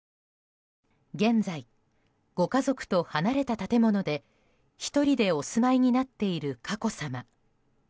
現在、ご家族と離れた建物で１人でお住まいになっている佳子さま。